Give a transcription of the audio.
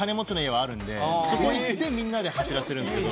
そこ行ってみんなで走らせるんすけど。